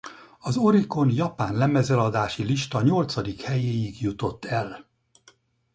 Az Oricon japán lemezeladási lista nyolcadik helyéig jutott el.